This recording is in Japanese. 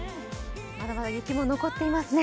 まだまだ雪も残っていますね。